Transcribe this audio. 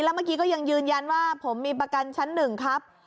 แล้วเมื่อกี้ก็ยังยืนยันว่าผมมีประกันชั้นหนึ่งครับ